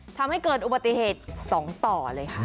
ทำให้เกิดอุบัติเหตุ๒ต่อเลยค่ะ